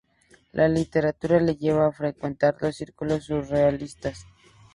La literatura le lleva a frecuentar los círculos surrealistas.